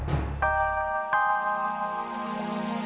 apakah pilihan afif sudah bener atau enggak